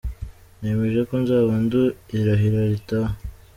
Nemeje ko nzaba ndi mu irahira ritaha.